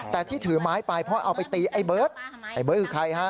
แต่ที่ถือไม้ไปเพราะเอาไปตีไอ้เบิร์ตไอ้เบิร์ตคือใครฮะ